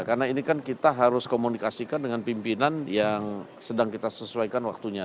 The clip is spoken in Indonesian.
karena ini kan kita harus komunikasikan dengan pimpinan yang sedang kita sesuaikan waktunya